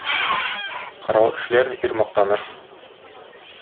Корал эшләр, ир мактаныр.